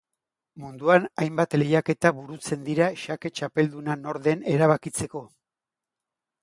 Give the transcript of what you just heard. Munduan hainbat lehiaketa burutzen dira xake txapelduna nor den erabakitzeko.